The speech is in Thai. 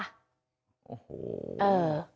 โอ้โห